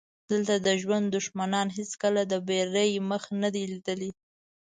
دلته د ژوند دښمنانو هېڅکله د بري مخ نه دی لیدلی.